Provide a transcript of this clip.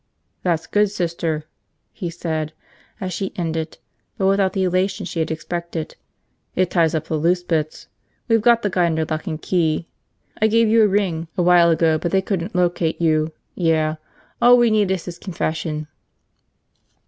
"That's good, Sister," he said as she ended, but without the elation she had expected. "It ties up the loose bits. We've got the guy under lock and key. I gave you a ring a while ago but they couldn't locate you – yeah. All we need is his confession."